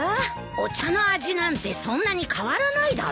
お茶の味なんてそんなに変わらないだろう？